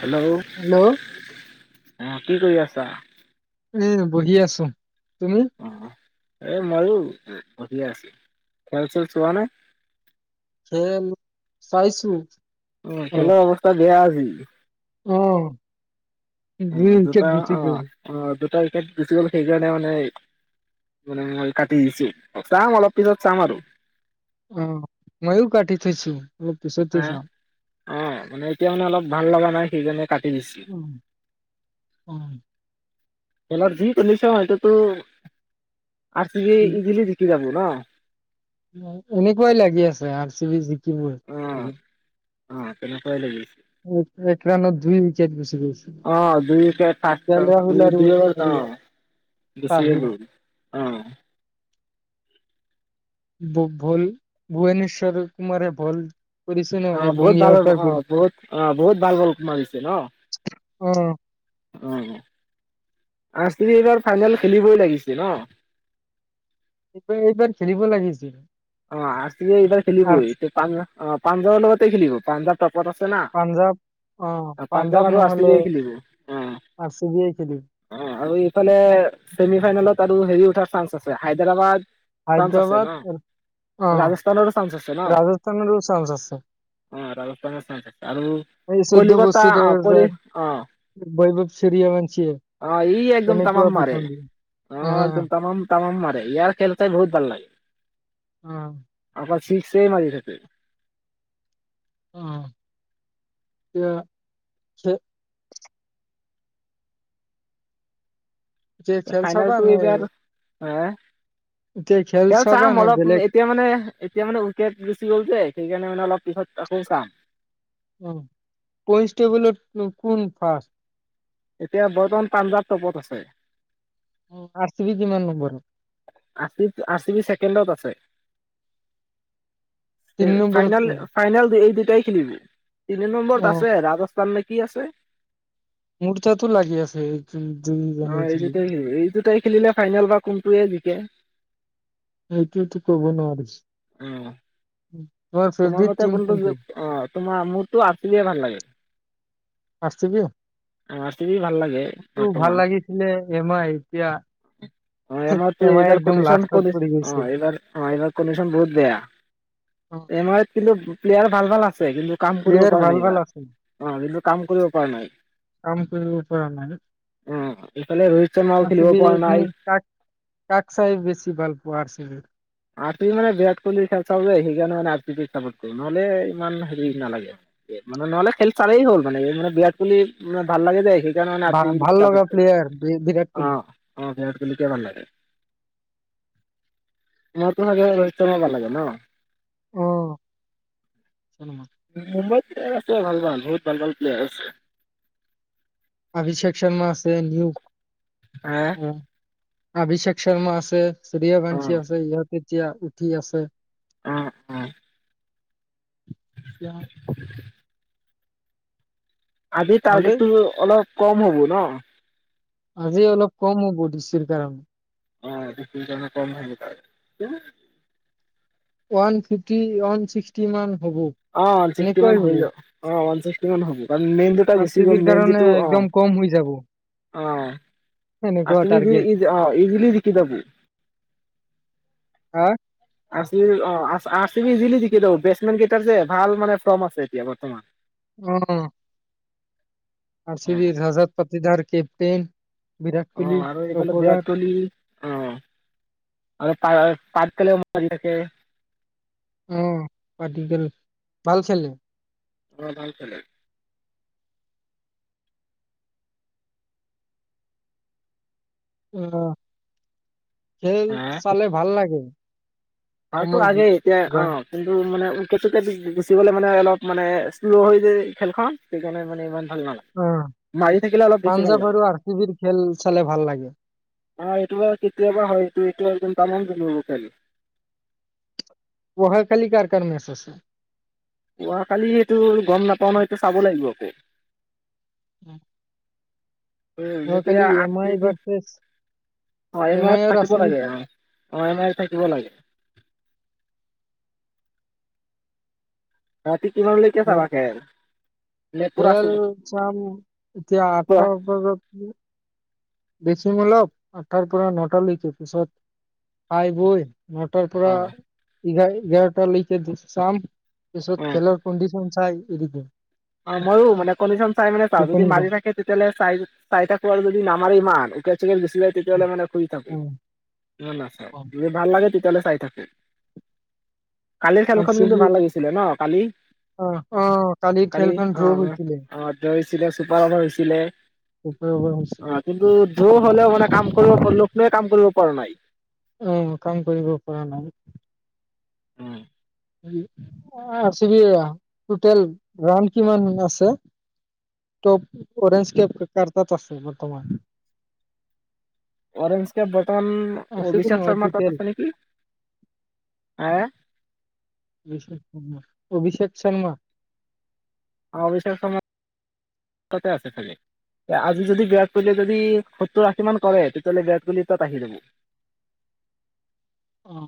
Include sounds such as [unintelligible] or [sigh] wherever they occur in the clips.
Hello! Hello অ', কি কৰি আছ চ এ, ‍ বহি আছুঙ। অ এই মায়ো এ বহি আছে খেল চেল চোৱা নাই খেল, চাইছো। উ অলপ। খেলৰ অৱস্থা বেয়া আ উ। অ অ উম চেক দুটা গুচি অ গ'ল। অ দুটা উইকেট গুছি গ'ল সেইকাৰণে মানে মানে মই কাটি দিছো, চাম অলপ পিছত চাম আৰু। অ মই ও কাটি থৈছো অলপ পিছত হে অ চাম অ মানে এতিয়া মানে অলপ ভাল লগা নাই সেইকাৰনে উম অ খেলত যি চলিছে হেইটো তো। আৰচিবি ইজিলি জিকি যাব। ন'। এনেকুৱাই লাগি আছে আৰ চি অ বি [unintelligible] অ' তেনেকুৱাই লাগিল। এক ৰানত দুই উইকেট গৈছে। অ দুই উইকেট কে থ এল ৰাহুল আৰু দে হেৰিয়া বেছিয়ে পাহিল গল অ ভুল ভূুৱনেশ্বৰ কুমাৰে ভুল অ', বহুত ভাল অ' বহুত, অ' বহুত ভাল বল মাৰিছে ন'। অ'। অ'। আৰ চি বিয়ে ফাইনেল খেলিবই লাগিছিল ন এইবাৰ, এইবাৰ খেলিব লাগিছিল। অ আৰ চি বিয়ে এইবাৰ আৰ খেলিবই পঞ্জাৱ অ পাঞ্জাৱৰ লগতে খেলিব পাঞ্জাৱ তপত আছে না পাঞ্জাৱ অ', পাঞ্জাৱ আৰু আৰ নহ'লে চিবিয়ে খেলিব অ আৰ চি বিয়ে খেলিব। অ আৰু ইফালে ছেমি ফাইনেলত আৰু হেৰি উঠাৰ চান্স আছে হায়দৰাবাদ, চান্স আছে ন হাইদৰাবাদ। অ', ৰাজস্থানৰো চান্স আছে ন ৰাজস্থান চান্চ আছে। অ' ৰাজস্থানৰ চাই থাক। আৰু এই চৈধ্য কলিকতা অ কলি বছৰীয়া অ বৈভৱ সূৰ্যবংশীয়ে অ ই একদম কেনেকুৱা তামাম মাৰে পিটন দিয়ে। অ একদম তামাম তামাম মাৰে ইয়াৰ খেল চাই বহুত ভাল লাগে অ চিক্সেই মাৰি থাকে। অ তে খ। যে খেল চাবা ফাইনেলটো নে এইবাৰ হে? এতিয়া খেল চাবা চাম নে অলপ বেলেগ এতিয়া মানে, এতিয়া মানে উইকেট গুচি গ'ল যে, সেইকাৰণে মানে অলপ পিছত আকৌ চাম। উ কষ্টেবুলত নো কোন ফাৰ্ষ্ট? এতিয়া বৰ্তমান পাঞ্জাৱ টপত আছে। উ আৰচিবি কিমান নম্বৰৰ? R C, R C B ছেকেণ্ডত আছে। তিনি এহ, নম্বৰত ফাইনেল কোন? ফাইনেল এই দে তই খেলিবি? তিনি নম্বৰত আছে অ', ৰাজস্থান নে কি আছে? মোৰ তাতো লাগি আছে। অ দুইজনে এই খেলিব। দুটাই হয়, এই দুটাই খেলিলে ফাইনেল বা কোনটোৱে জিকে? এইটো এটো ক'ব নোৱাৰি। অহ উম্। তোমাৰ ফেভৰেট টিম কোনটো? অ তোমাৰ? মোৰটো আৰ চি বি এ ভাল লাগে। R C B? [unintelligible] ভাল লাগে টো ভাল বৰ্তমান, লাগিছিলে এম আই এতিয়া [unintelligible] এম আই এইবাৰ একদম কণ্ডিচন‌ - লাষ্টত কণ্ডিচ পৰি অ গৈছে। এইবাৰ অ এইবাৰ কণ্ডিচন বহুত বেয়া। এম আইত কিন্তু, প্লেয়াৰ ভাল ভাল আ প্লেয়াৰ ভাল ভাল আছে, অ কিন্তু কাম কৰিব পৰা নাই কাম কৰিব পৰা নাই, অ এইফালে ৰোহিত শৰ্মাও আৰ খেলিব চি বিৰ পৰা নাই তুমি কাক কাক চাই বেছি ভাল পোৱা আৰ চি বিৰ? আৰ চি বিৰ মানে বিৰাট কোহলিৰ খেল চাওঁ যে সেইকাৰণে আৰ চি বিক চাপোৰ্ট কৰোঁ, নহ'লে ইমান হেৰি নালাগে। এ মানে নহ'লে খেল চালেই হ'ল, মানে-মানে বিৰাট কোহলি ম ভাল লাগে যে সেই বা-ভাল লগা প্লেয়াৰ বি-বিৰাট কোহলি। কহলিকে ভাল লাগে। তোমাৰতো চাগে ৰোহিত শৰ্মা ভাল লাগে ন? অ'। [unintelligible] মুম্বাইত প্লেয়াৰ আছে ভাল ভাল, বহুত ভাল ভাল প্লেয়াৰ আছে। অভিষেক শৰ্মা আছে নিউক আ? অভিষেক শৰ্মা আছে। অ সূৰ্যবংশী আছে, ইয়াৰ পিত এতিয়া উঠি আছে। আ, আ। [unintelligible] [inaudible] আজি ভালেই টাৰ্গেটটো অলপ। কম হ'ব ন? আজি অলপ কম হ'ব দিছিল [unintelligible] [unintelligible] ওৱান ফিফটি- ওৱান ছিক্সটি মান। হ'ব। অ, ওৱান চিক্সটি এনেকুৱাই মান হৈ হ'ব দিয়ক অ' ওৱান চিক্সটি কিমান হব? মেইন দুটা আৰ চি গুচি বিৰ গ'ল, কাৰণে মেইনযিটো একদম অ'। কম হৈ যাব অ, এনেকুৱা আছিলি যি টাৰ্গেট ই-ইজিলি জিকি যাবি। হা? আৰ চি বি অ' আৰ চি বি ইজলি জিকি যাব। বেটচমেনকেইটা তাত যে ভাল মানে ফৰ্ম আছে এতিয়া বৰ্তমান। উম। আৰ অ চি বি ৰজত পট [unintelligible] কেপ্টেইন। বিৰাট অ কোহলি আৰু এইফালে চপদাৰ বিয়াত কোহলি অ আৰু তাৰ পাতকালে [unintelligible] অ', পাতিদাৰ ভাল খেলে। অ', ভাল খেলে। [unintelligible] খেল, চালে ভাল লাগে। আৰুতো সময় আগে এতিয়া অ যায় কিন্তু মানে [unintelligible] গুচি গ'লে মানে অলপ মানে শ্ল' হৈ যায় খেলখন সেইকাৰণে মানে ইমান হয়, হয়, অ মাৰি থাকিলে অলপ বেছি ভাল পাঞ্জাৱ লাগে, আৰু আৰ চি বিৰ খেল চালে ভাল লাগে অ' এইটো বাৰু কেতিয়াবা হয় এইটো [unintelligible] [unintelligible] অহা কালি কাৰ কাৰ মেটচ আছে? যোৱা কালি এইটো গম নাপাও নহয়, এইটো চাব লাগিব আকৌ। উম। অ যেতিয়া আঠ আই কেজি, ভাৰ্চেছ অ এম আইত আইৰ থাকিব আছে লাগে নেকি অ - অ এমই থাকিব লাগে। ৰাতি। কিমানলৈকে চাবা খেল নে পুৰা চু খেল চাম এতিয়া পুৰা আঠৰ ওপৰত নে? বেছিম অলপ, আঠটাৰ পৰা নটা লৈকে পিছত খাই বৈ। নটাৰ অ পৰা এঘাৰ-এঘাৰটা লৈকে [unintelligible] চাম পিছত অ খেলৰ কণ্ডিচন চাই [inaudible] অ ময়ো মানে কণ্ডিশন চাই মানে চাওঁ, যদি টোপনি মাৰি যাম থাকে তেতিয়াহলে চাই-চাই থাকো আৰু যদি ন আমাৰ ইমান [unintelligible] তেতিয়াহলে মানে শুই থাকো, মই নাচাওঁ। যদি ভাল লাগে তেতিয়ালে চাই থাকে। কালিৰ আৰু খেলখন কিন্তু ভাল চুবুৰীত লাগিছিলে ন', কালি! অ অ কালি কালি খেলখন অ ড্ৰ হৈছিলে। অ হৈছিলে চুপাৰ অভাৰ হৈছিলে। দুপৰীয়া হৈছিলে [unintelligible] পৰা নাই। অ' কাম কৰিব পৰা নাই। উম R C B total one কিমান আছে, টপ অৰেঞ্জ কেপ কাৰ তাত আছে বৰ্তমান? অৰেঞ্জ কেপ বৰ্তমান আছে কি অভিষেক নহয় শৰ্মাৰ টোটেল তাত আছে নেকি! হে অভিষেক শৰ্মা, অভিষেক শৰ্মা। অভিশেক শৰ্মা তাতে আছে চাগে, আজি যদি বিৰাট কোহলি যদি সত্তৰ-আশী মান কৰে তেতিয়াহ'লে বিৰাট কোহলি তাত আহি যাব।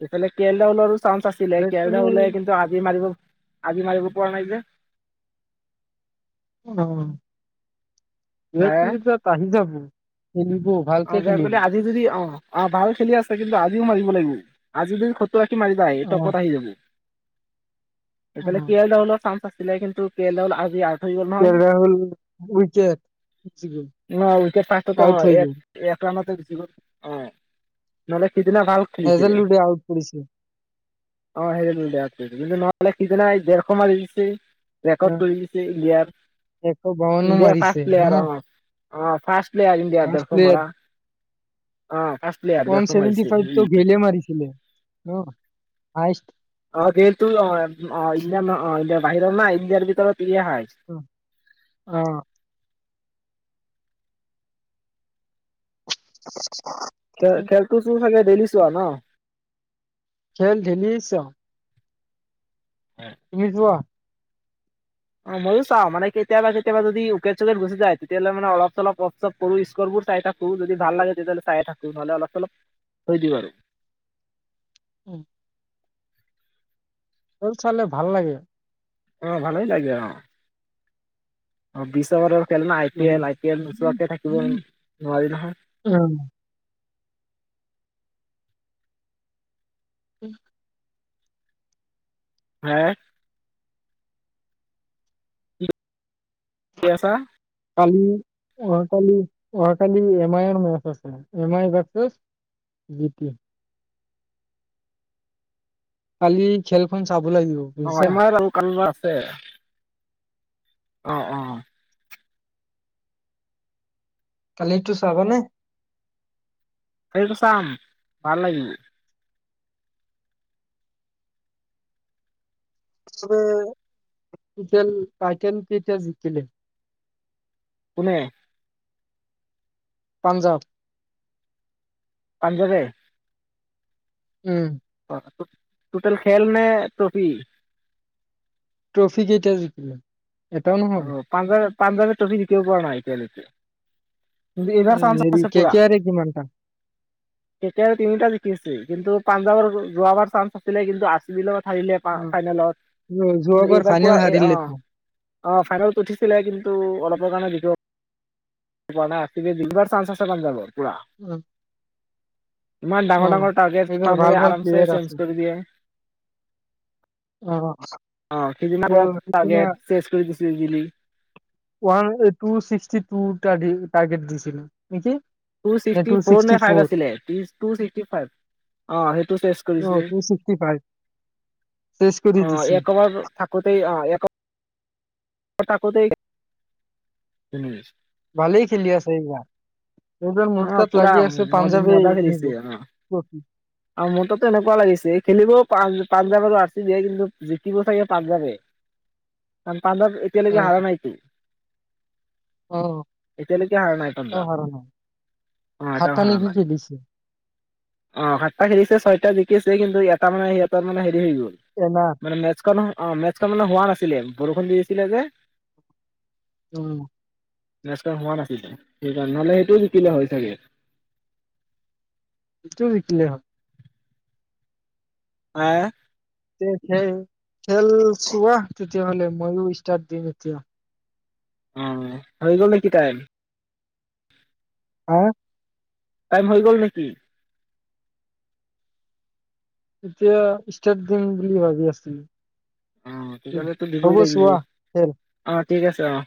ইফালে কে এল ৰাহুলৰো চান্স আছিলে, ৰেড কে এল ৰাহুল বুলি কিন্তু আজি মাৰিব-আজি মাৰিব কোৱা নাই যে? অ' বিৰাট কোহলী তাত আহি যাব। খেলিব ভালকে অৰ্ডাৰ খেলিব। কৰিলে আজি যদি অ' অ' ভাল খেলি আছে কিন্তু আজিও মাৰিব লাগিব, আজি যদি স [unintelligible] অ টপত আহি যাব। এফালে কে এল ৰাহুলৰ চাঞ্চ আছে আছিলে কিন্তু কে এল ৰাহুল আজি হৈ গ'ল কে নহয়। এল ৰাহুল উইকেট [unintelligible] অ উইকেট ফাৰ্ষ্টতে অ আউট হৈ গ'ল। [unintelligible] নহলে সিদিনা ভাল হেজেল খেলিছিলে উডে আউট কৰিছে। অ' [unintelligible] ডেৰশ মাৰি দিছে। ৰেকৰ্ড কৰি অ দিছে ইণ্ডিয়াৰ, ইণ্ডিয়াৰ এশ ফাৰ্ষ্ট বাৱন্ন প্লেয়াৰ, মাৰিছে ন অ'। অ' ফাৰ্ষ্ট প্লেয়াৰ ফাৰ্ষ্ট ইণ্ডিয়াৰ [inaudible] কোমাৰা। অ। ফাৰ্ষ্ট প্লেয়াৰ ৱান ডেৰশ চেভণ্টি মাৰিছে ই ফাইভটো গীলে মাৰিছিলে। অ', [inaudible] অ গেলটো -অ- উম -অ -ইণ্ডিয়া -নহ -ইণ্ডিয়াৰ বাহিৰৰ না ইণ্ডিয়াৰ ভিতৰৰ অহ। [unintelligible] খে খেলতো চো চাগে ডেইলি চোৱা ন। খেল ডেইলি চাওঁ। তুমি যোৱা। অ ময়ো চাওঁ মানে কেইতাবা কেইতাবা যদি উইকেট-চুইকেট গুচি যায় তেতিয়াহলে মানে অলপ চলপ অফ চফ কৰো। ইস্কৰবোৰ চাই থাকো যদি ভাল লাগে তেইতাহলে চাইয়ে থাকোঁ নহলে অলপ চলপ থৈ দিওঁ আৰু। উম্। খেল চালে ভাল লাগে। অ, ভালেই লাগে অ। অ বিছ। [unintelligible] খেল নে I O P L. I P L নোচোৱাকৈ থাকিব নোৱাৰি নহয়। উম্। হে! শুই আছা? অহাকালি-অহাকালি এম আইৰ মেচ আছে। M I versus G T. কালি খেলখন চাব। লাগিব অ বুজিছা। এম আইৰ আল কাল্লা আছে। অ অ। কালি এইটো চাবা নে? খেলটো চাম। ভাল লাগিব। চবেই টিতেন টাইটেন এতিয়া জিকিলে। কোনে? পাঞ্জাৱ। সেই চবেই উম্। অ-টো-টোটেল খেল নে ট্ৰফী? ট্ৰফী কেইটা জিকিলে? এটাও নহয় অ পাঞ্জাৱ। পাঞ্জাৱে ট্ৰফি জিকিব পৰা নাই এতিয়ালৈকে। কিন্তু এ এইবাৰ চান্স হেৰি আছে কে পুৰা। কে আৰে কিমানটা কে কে আৰৰ তিনিটা জিকিছে। কিন্তু পাঞ্জাৱৰ যোৱাবাৰ চান্স আছিলে কিন্তু আৰ চি বিৰ লগত হাৰিলে অ ফা-ফাইনেলত। যোৱা- কিন্তু যোৱাবাৰ এইবাৰ ফাইনেল পুৰা এ অ। হাৰিলেতো অ' ফাইনেলত উঠিছিলে কিন্তু অলপ [unintelligible] [unintelligible] ইবাৰ চাঞ্চ আছে পাঞ্জাবৰ। উম্। ইমান ডাঙৰ ডাঙৰ টাৰ্গেট [unintelligible] আৰামছে চে্জ আছে কৰি দিয়ে। অ তো অহ [unintelligible] সেইদিনা টাৰ্গেট চে্জ কৰি দিছি easily. One two sixty two টা টাৰ্গেট দিছিলো, নেকি? টু ছিক্সটি ফৰ নে ফাইভ আছিলে ত্ৰিছ টু ছিক্সটি ফাইভ। অ সেইটো চেচ অ কৰিছে। টু ছিক্সটি ফাইভ চেচ কৰি অ' দিছে এক অভাৰ থাকোতে অ এক [unintelligible] ভালেই খেলি আছে এইবাৰ। এইবাৰ মোৰ অ তাত পুৰা লাগি আছে ম পাঞ্জাৱে মজা নিব খেলিছে অ। ট্ৰফি আৰু মোৰ তাতো এনেকুৱা লাগিছে খেলিব। পান পাঞ্জাৱ আৰু আৰ চি বিহে কিন্তু জিকিব চাগে পাঞ্জাবে। [unintelligible] পাঞ্জাব এতিয়ালৈকে হাৰা অ', নাইটো? অ', এতিয়ালৈকে হাৰা নাই পাঞ্জাৱ। অ এটাও ফেপনি হাৰা নাই টোযে দিছে। অ সাতটা খেলিছে ছয়টা জিকি আছে কিন্তু এটা মানে সিহঁতৰ মানে এই গল, এনাৰ মানে মেচ খ নহয় অ মেছখন মানে হোৱা নাছিলে, বৰষুণ দি আছিলে যে। উম্। [unintelligible] হোৱা নাছিল সেইকাৰণে, নহলে সেইটোও জিকিলে হয় চাগে। [unintelligible] জিকিলে হয়। আহ। তে খেল-খেল চোৱা, তেতিয়াহলে মইও ষ্টাট দিম এতিয়া। অ, হৈ গলনেকি টাইম? হাঁ‌? টাইম হৈ গল নেকি? এতিয়া ষ্টাৰ্ট দিম বুলি ভাবি আছিলোঁ‌। অ তেতিয়াহলেতো দিবই লাগিব। খেল। আঠ। ঠিক আছে আহ।